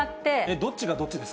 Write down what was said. どっちがどっちですか。